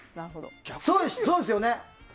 そうですよね。